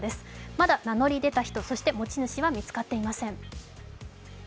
まだ名乗り出た人、そして持ち主は見つかっていません。